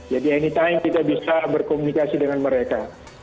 jadi anytime kita bisa berkomunikasi dengan mereka